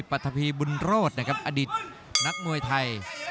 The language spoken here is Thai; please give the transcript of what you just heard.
รับทราบบรรดาศักดิ์